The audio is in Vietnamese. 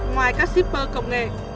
ngoài các shipper công nghệ